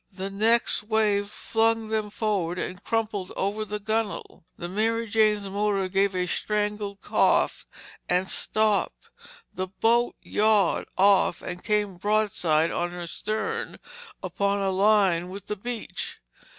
The next wave flung them forward and crumpled over the gunwale. The Mary Jane's motor gave a strangled cough and stopped. The boat yawed off and came broadside on her stern upon a line with the beach.